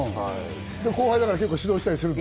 後輩だから指導したりするの？